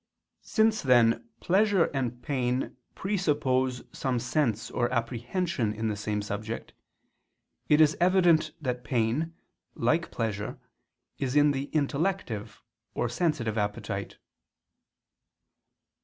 Since then pleasure and pain presuppose some sense or apprehension in the same subject, it is evident that pain, like pleasure, is in the intellective or sensitive appetite.